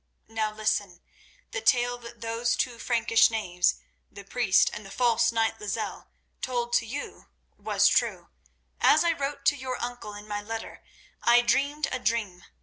"Now listen. The tale that those two Frankish knaves, the priest and the false knight Lozelle, told to you was true. As I wrote to your uncle in my letter, I dreamed a dream.